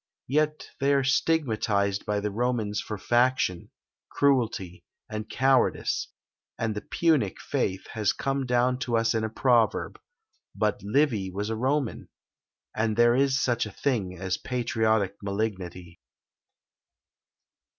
Yet they are stigmatised by the Romans for faction, cruelty, and cowardice; and the "Punic" faith has come down to us in a proverb: but Livy was a Roman! and there is such a thing as a patriotic malignity!